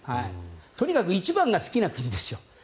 とにかく１番が好きな国です。